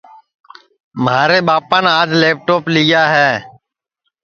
مھارے ٻاپان آج لیپ ٹوپ لیا ہے